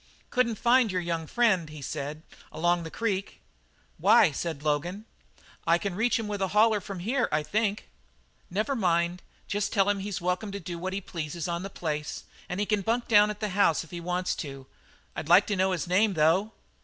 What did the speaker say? "Couldn't find your young friend," he said, "along the creek." "Why," said Logan, "I can reach him with a holler from here, I think." "Never mind; just tell him that he's welcome to do what he pleases on the place; and he can bunk down at the house if he wants to. I'd like to know his name, though."